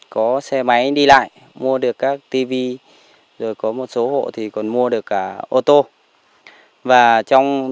có xe máy đi lại mua được các tv rồi có một số hộ thì còn mua được cả ô tô